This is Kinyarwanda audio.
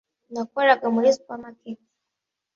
Nakoraga muri supermarket.